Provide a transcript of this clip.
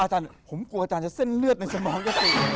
อาจารย์ผมกลัวอาจารย์จะเส้นเลือดในสมองจะสูง